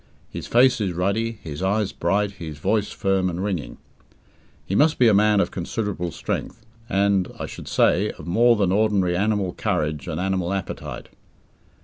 His face is ruddy, his eyes bright, his voice firm and ringing. He must be a man of considerable strength and I should say of more than ordinary animal courage and animal appetite.